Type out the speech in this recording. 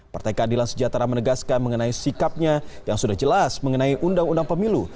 partai keadilan sejahtera menegaskan mengenai sikapnya yang sudah jelas mengenai undang undang pemilu